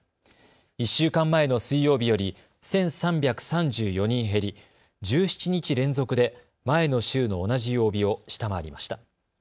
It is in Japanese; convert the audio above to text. １週間前の水曜日より１３３４人減り、１７日連続で前の週の同じ曜日を下回りました。